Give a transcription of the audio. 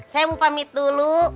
saya mau pamit dulu